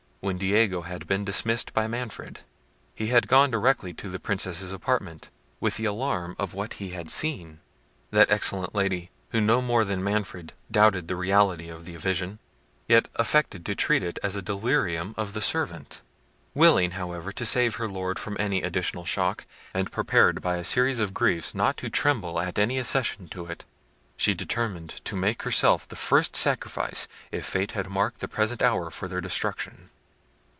When Diego had been dismissed by Manfred, he had gone directly to the Princess's apartment with the alarm of what he had seen. That excellent Lady, who no more than Manfred doubted of the reality of the vision, yet affected to treat it as a delirium of the servant. Willing, however, to save her Lord from any additional shock, and prepared by a series of griefs not to tremble at any accession to it, she determined to make herself the first sacrifice, if fate had marked the present hour for their destruction.